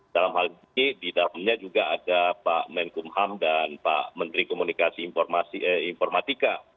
dalam hal ini di dalamnya juga ada pak menkumham dan pak menteri komunikasi informatika